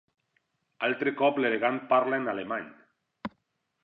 Altre cop l'elegant parla en alemany